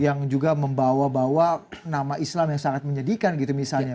yang juga membawa bawa nama islam yang sangat menyedihkan gitu misalnya